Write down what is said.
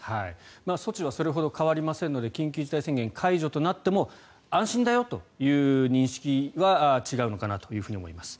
措置はそれほど変わりませんので緊急事態宣言解除となっても安心だよという認識は違うのかなというふうに思います。